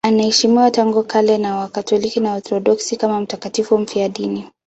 Anaheshimiwa tangu kale na Wakatoliki na Waorthodoksi kama mtakatifu mfiadini.